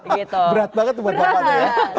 berat banget buat bapak tuh ya